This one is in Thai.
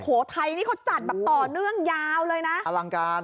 โหไทยนี่เขาจัดแบบต่อเนื่องยาวเลยนะอลังการ